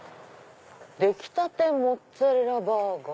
「出来立てモッツァレラバーガー」。